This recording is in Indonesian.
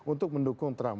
untuk mendukung trump